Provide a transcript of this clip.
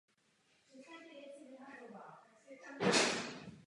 Mezi důvody uváděl osobní problémy s řadou lidí a neznalost maďarského jazyka.